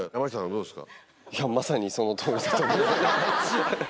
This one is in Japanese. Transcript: どうですか？